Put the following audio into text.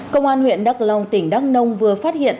công an huyện đắc long tỉnh đắc nông vừa phát hiện